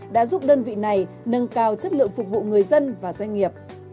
đã giúp đơn vị này nâng cao chất lượng phục vụ người dân và doanh nghiệp